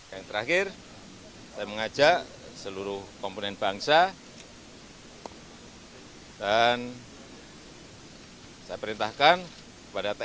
yang terakhir saya mengajak seluruh komponen bangsa dan saya perintahkan kepada tni